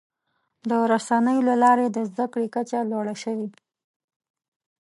د رسنیو له لارې د زدهکړې کچه لوړه شوې.